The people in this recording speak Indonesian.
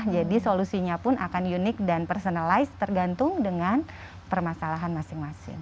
jadi solusinya pun akan unik dan personalize tergantung dengan permasalahan masing masing